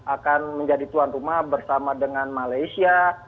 akan menjadi tuan rumah bersama dengan malaysia